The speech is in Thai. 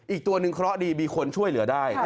อีกตัวหนึ่งเคราะห์ดีมีคนช่วยเหลือได้